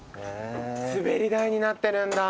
滑り台になってるんだ。